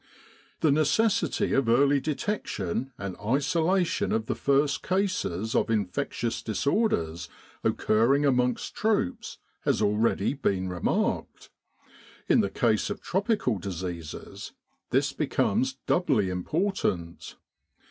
The necessity of early detection and isola tion of the first cases of infectious disorders occurring amongst troops has already been remarked : in the case of tropical diseases this becomes doubly important.